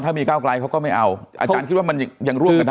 ถ้ามีก้าวไกลเขาก็ไม่เอาอาจารย์คิดว่ามันยังร่วมกันได้